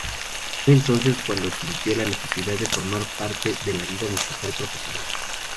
Fue entonces cuando sintió la necesidad de formar parte de la vida musical profesional.